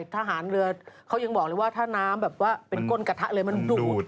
ทหารเรือเขายังบอกเลยว่าถ้าน้ำแบบว่าเป็นก้นกระทะเลยมันดูด